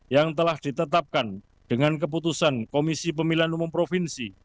yang telah ditetapkan dengan keputusan komisi pemilihan umum provinsi